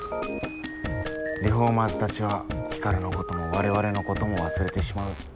リフォーマーズたちはヒカルのことも我々のことも忘れてしまう。